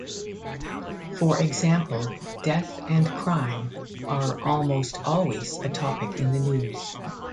For example: death and crime are almost always a topic in the news.